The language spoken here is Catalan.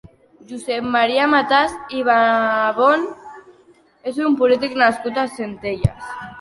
Josep Maria Matas i Babon és un polític nascut a Centelles.